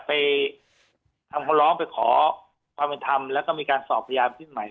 ไปทำคำร้องไปขอความเป็นธรรมแล้วก็มีการสอบพยานขึ้นใหม่